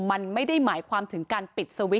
มันไม่ได้หมายความถึงการปิดสวิตช